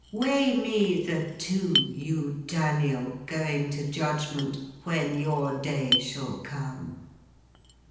Weigh me the two, you Daniel, going to judgment, when your day shall come!